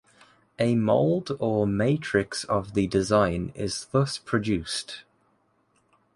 A mould or matrix of the design is thus produced.